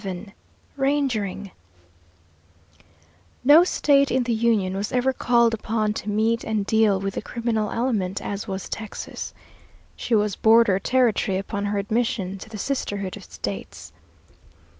VII RANGERING No State in the Union was ever called upon to meet and deal with the criminal element as was Texas. She was border territory upon her admission to the sisterhood of States.